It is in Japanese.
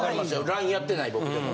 ＬＩＮＥやってない僕でも。